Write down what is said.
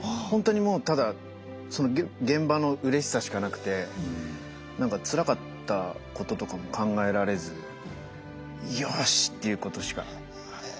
ほんとにもうただ現場のうれしさしかなくて何かつらかったこととかも考えられずよしっていうことしか。